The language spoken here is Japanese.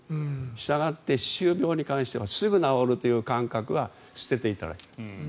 したがって歯周病に関してはすぐに治るという感覚は捨てていただきたい。